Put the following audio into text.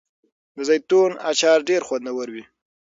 د زیتون اچار ډیر خوندور وي.